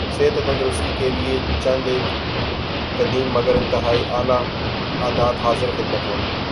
صحت و تندرستی کیلئے چند ایک قدیم مگر انتہائی اعلی عادات حاضر خدمت ہیں